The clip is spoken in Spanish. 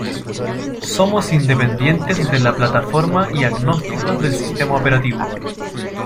Somos independientes de la plataforma y agnósticos del sistema operativo.